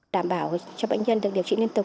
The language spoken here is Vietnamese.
đảm bảo cho bệnh nhân được điều trị liên tục